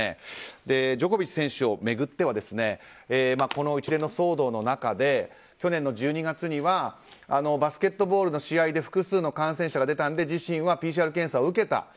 ジョコビッチ選手を巡ってはこの一連の騒動の中で去年の１２月にはバスケットボールの試合で複数の感染者が出たので自身はＰＣＲ検査を受けた。